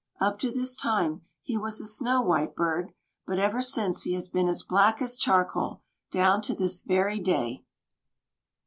Up to this time, he was a snow white bird; but ever since he has been as black as charcoal, down to this very day.